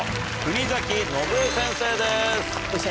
国崎信江先生です。